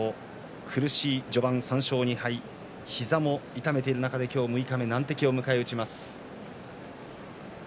苦しい序盤、３勝２敗膝も痛めている中で今日六日目難敵を迎え撃ちます。